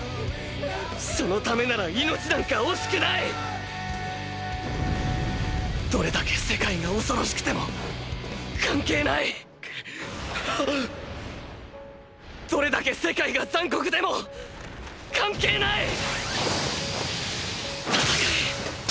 そのためなら命なんか惜しくないどれだけ世界が恐ろしくても関係ないどれだけ世界が残酷でも関係ない戦え！